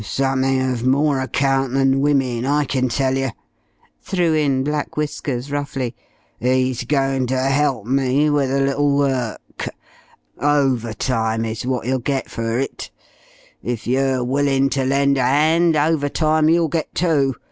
"Somethin' uv more account than women, I kin tell ye!" threw in Black Whiskers roughly. "'E's going ter help me with a little work overtime is what 'e'll get fer it. If yer willin' ter lend a 'and, overtime you'll get, too.